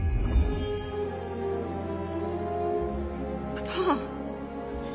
パパ。